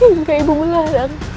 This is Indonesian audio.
hingga ibu melarang